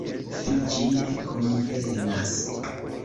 Fi, ĝi ne konvenas!